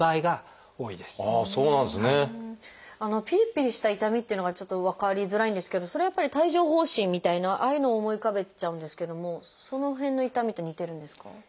ピリピリした痛みっていうのがちょっと分かりづらいんですけどそれはやっぱり帯状疱疹みたいなああいうのを思い浮かべちゃうんですけどもその辺の痛みと似てるんですか？